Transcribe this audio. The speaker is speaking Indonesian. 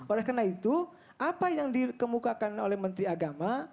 oleh karena itu apa yang dikemukakan oleh menteri agama